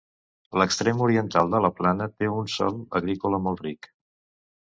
L'extrem oriental de la plana té un sòl agrícola molt ric.